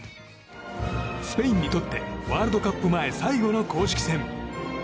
スペインにとってワールドカップ前最後の公式戦。